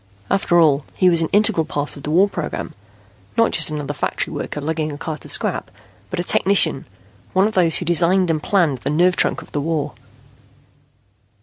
After all, he was an integral part of the war program, not just another factory worker lugging a cart of scrap, but a technician, one of those who designed and planned the nerve trunk of the war.